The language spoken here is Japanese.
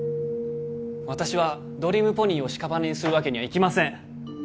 私はドリームポニーをしかばねにするわけにはいきません